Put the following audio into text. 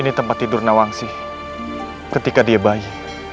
ini tempat tidur nawangsih ketika dia bayi